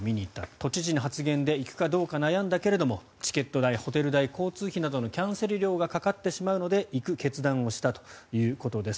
都知事の発言で行くかどうか悩んだけれどもチケット代、ホテル代交通費などのキャンセル料がかかってしまうので行く決断をしたということです。